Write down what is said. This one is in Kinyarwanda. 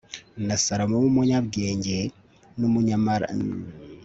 na salomo w'umunyabwenge n'umunyambaraga yaratsinzwe